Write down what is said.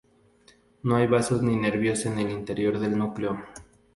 No hay vasos ni nervios en el interior del núcleo.